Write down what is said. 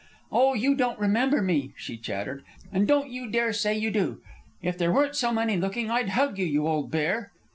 "Oh, you don't remember me!" she chattered. "And don't you dare say you do! If there weren't so many looking, I'd hug you, you old bear!